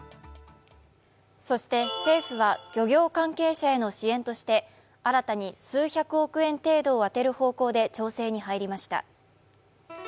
政府は漁業関係者への支援として新たに数百億円程度を充てる方向で調整に入りました。